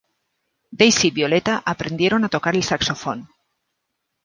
Daisy y Violeta aprendieron a tocar el saxofón.